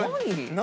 何？